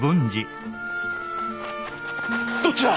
どっちだ！？